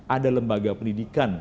ada lembaga pendidikan